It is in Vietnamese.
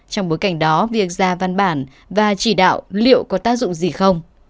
trong bối cảnh đó việc ra văn bản và chỉ đạo liệu có tác dụng gì không